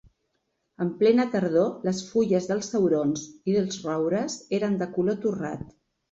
En plena tardor, les fulles dels aurons i els roures eren de color torrat.